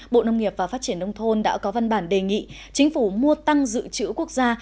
bộ nông nghiệp và phát triển nông thôn đã có văn bản đề nghị chính phủ mua tăng dự trữ quốc gia